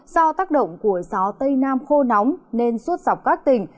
do tác động của gió tây nam khô nóng nên suốt dọc các tỉnh